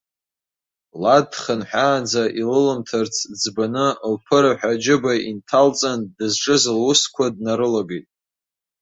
Лад дхынҳәаанӡа илылымҭарц ӡбаны, лԥыраҳәа аџьыба инҭалҵан, дызҿыз лусқәа днарылагеит.